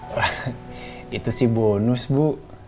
wah itu sih bonus bu